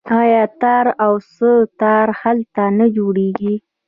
آیا تار او سه تار هلته نه جوړیږي؟